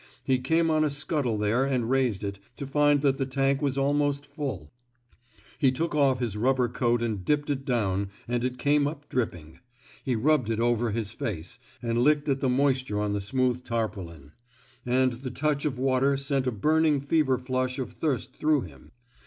He came on a scuttle there and raised it, to find that the tank was almost full. He took off his rubber coat and dipped it down, and it came up dripping. He rubbed it over his face, and licked at the moisture on the smooth tarpaulin; and the touch of water sent a burning fever flush of thirst through him.